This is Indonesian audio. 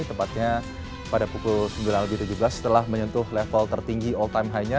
tepatnya pada pukul sembilan lebih tujuh belas setelah menyentuh level tertinggi all time high nya